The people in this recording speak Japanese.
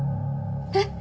えっ！？